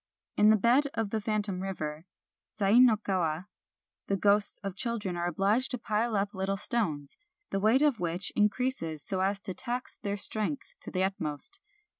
In the bed of the phantom river, Sai no Kawa, the ghosts of children are obliged to pile up little stones, the weight of which increases so as to tax their strength to the utmost.